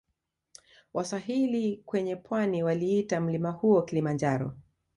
Waswahili kwenye pwani waliita mlima huo Kilimanjaro